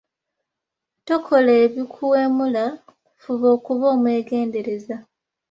Tokola ebikuwemula fuba okuba omwegendereza.